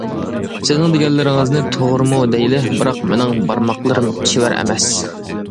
-سىزنىڭ دېگەنلىرىڭىزنى توغرىمۇ دەيلى، بىراق مېنىڭ بارماقلىرىم چېۋەر ئەمەس.